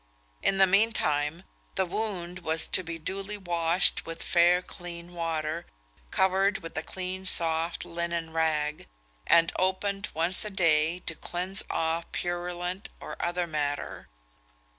In the mean time, the wound was to be duly washed with fair clean water, covered with a clean, soft, linen rag, and opened once a day to cleanse off purulent or other matter.